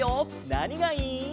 なにがいい？